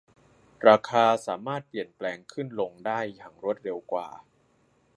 ราคาสามารถเปลี่ยนแปลงขึ้นลงได้อย่างรวดเร็วกว่า